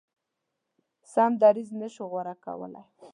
سم دریځ نه شو غوره کولای.